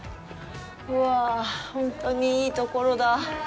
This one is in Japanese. うわあ、ほんとにいいところだ。